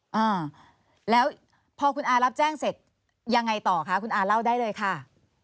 อ่าแล้วพอคุณอารับแจ้งเสร็จยังไงต่อคะคุณอาเล่าได้เลยค่ะ